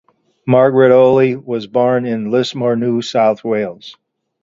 Margaret Olley was born in Lismore, New South Wales.